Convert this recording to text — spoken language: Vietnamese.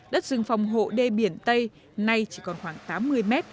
đất rừng phòng hộ đê biển tây nay chỉ còn khoảng tám mươi mét